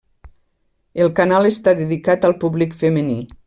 El canal està dedicat al públic femení.